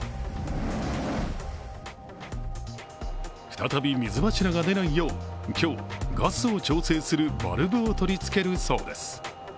再び水柱が出ないよう、今日、ガスを調整するバルブを取り付けるそうです。